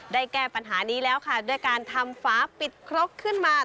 แก้ปัญหานี้แล้วค่ะด้วยการทำฝาปิดครกขึ้นมา